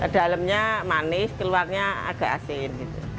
dalamnya manis keluarnya agak asin